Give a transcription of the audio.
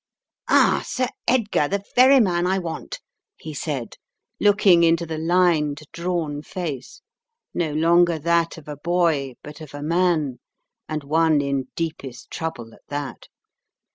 "Ah, Sir Edgar, the very man I want," he said, looking into the lined, drawn face, no longer that of a boy, but of a man, and one in deepest trouble at that.